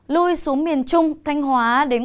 lui xuống miền trung thanh hóa